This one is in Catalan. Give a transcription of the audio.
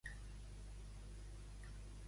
On anirà JxCat, segons Borràs?